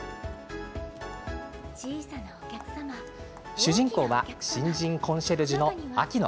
主人公は、こちら新人コンシェルジュの秋乃。